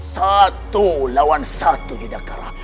satu lawan satu yudhakara